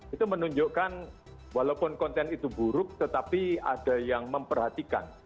itu menunjukkan walaupun konten itu buruk tetapi ada yang memperhatikan